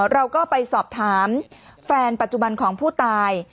เราก็ไปสอบถามแฟนปัจจุบันของผู้ตาย